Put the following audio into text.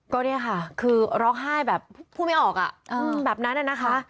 ก็เนี่ยค่ะคือร้องไห้แบบพูดไม่ออกแบบนั้นนะคะ